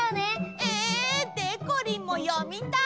え！でこりんも読みたい！